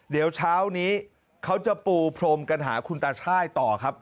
เดี๋ยวเช้านี้เขาจะปูพรมกันหาคุณตาช่ายต่อครับ